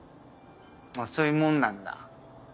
そういうもんなんだ。